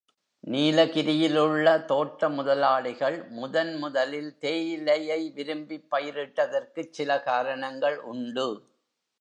நீலகிரியிலுள்ள தோட்ட முதலாளிகள் முதன் முதலில் தேயிலையை விரும்பிப் பயிரிட்டதற்குச் சில காரணங்கள் உண்டு.